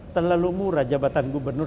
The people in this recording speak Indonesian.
terlalu murah jabatan gubernur